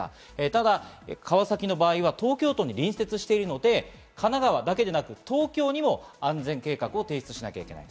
ただ川崎の場合は、東京都に隣接しているので神奈川だけでなく東京にも安全計画を提出しなければいけない。